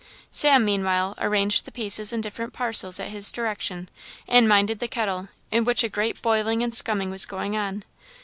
Sam meanwhile arranged the pieces in different parcels at his direction, and minded the kettle, in which a great boiling and scumming was going on.